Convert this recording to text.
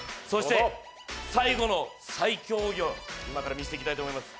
最後の最強奥義を今から見せていきたいと思います。